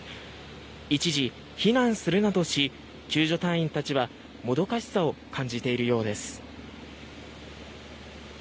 一時、避難するなどし救助隊員はもどかしさを感じているようです。